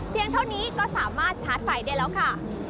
เท่านี้ก็สามารถชาร์จไฟได้แล้วค่ะ